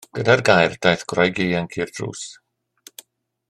Gyda'r gair daeth gwraig ieuanc i'r drws.